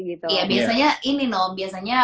iya biasanya ini noh biasanya